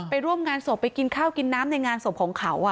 ร่วมงานศพไปกินข้าวกินน้ำในงานศพของเขา